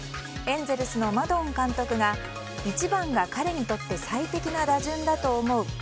エンゼルスのマドン監督が１番が彼にとって最適な打順だと思う。